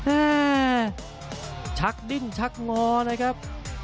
อ่าชักดิ้งชักงอนะครับ